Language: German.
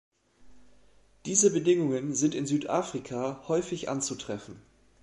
Diese Bedingungen sind in Südafrika häufig anzutreffen.